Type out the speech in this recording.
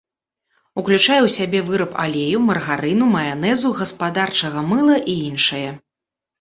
Уключае ў сябе выраб алею, маргарыну, маянэзу, гаспадарчага мыла і іншае.